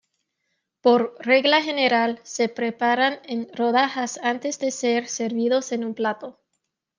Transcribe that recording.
Por regla general se preparan en rodajas antes de ser servidos en un plato.